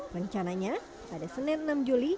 rencananya pada senin enam juli